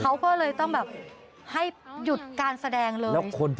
เขาก็เลยต้องแบบให้หยุดการแสดงเลย